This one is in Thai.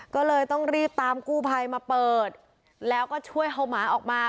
ก็เลยต้องรีบตามกู้ภัยมาเปิดแล้วก็ช่วยเอาหมาออกมา